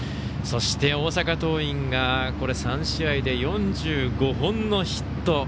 そして、大阪桐蔭が３試合で４５本のヒット。